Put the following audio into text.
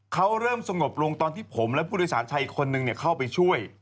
เขาเริ่มสงบลงตอนที่ผมและผู้โดยสารชายอีกคนนึงเข้าไปช่วย